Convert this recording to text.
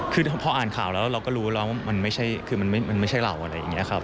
คือพออ่านข่าวแล้วเราก็รู้แล้วว่ามันไม่ใช่เราอะไรอย่างงี้ครับ